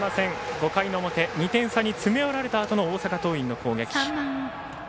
５回の表２点差に詰め寄られたあとの大阪桐蔭の攻撃。